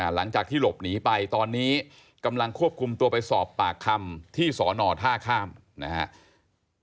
หลังจากที่หลบหนีไปตอนนี้กำลังควบคุมตัวไปสอบปากคำที่สอนอท่าข้ามนะครับ